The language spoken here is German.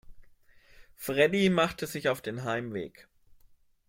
Freddie machte sich auf den Heimweg.